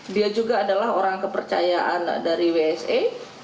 dia juga adalah orang kepercayaan dari wsa